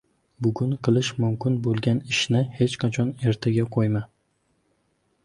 • Bugun qilish mumkin bo‘lgan ishni hech qachon ertaga qo‘yma.